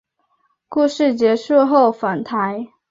战事结束后返台。